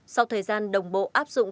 sau thời gian đồng bộ áp dụng